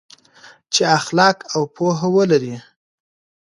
چې اخلاق او پوهه ولري.